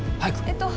えっと。